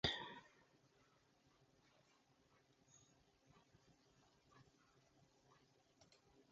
He graduated from Ulsan University.